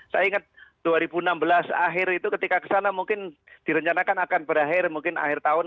saya ingat dua ribu enam belas akhir itu ketika kesana mungkin direncanakan akan berakhir mungkin akhir tahun